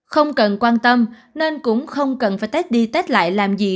không cần quan tâm nên cũng không cần phải test đi test lại làm gì